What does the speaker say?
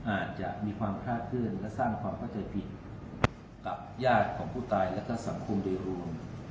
อาจจะมีความคลาดเคลื่อนและสร้างความเข้าใจผิดกับญาติของผู้ตายและก็สังคมโดยรวม